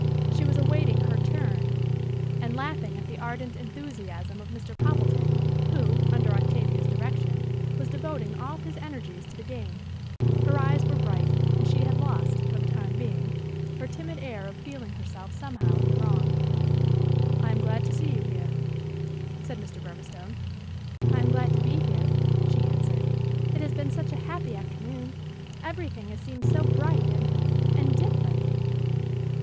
She was awaiting her "turn," and laughing at the ardent enthusiasm of Mr. Poppleton, who, under Octavia's direction, was devoting all his energies to the game: her eyes were bright, and she had lost, for the time being, her timid air of feeling herself somehow in the wrong. "I am glad to see you here," said Mr. Burmistone. "I am glad to be here," she answered. "It has been such a happy afternoon. Every thing has seemed so bright and and different!"